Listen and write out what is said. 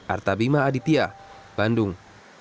artabima aditya bandung